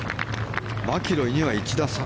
マキロイには１打差。